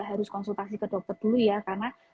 harus konsultasi ke dokter dulu ya karena